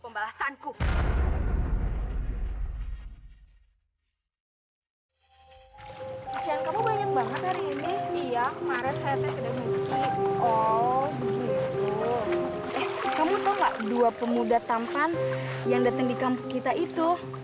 eh kamu tahu gak dua pemuda tampan yang datang di kampung kita itu